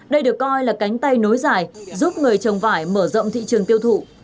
đây được coi là cánh tay nối dài giúp người trồng vải mở rộng thị trường tiêu thụ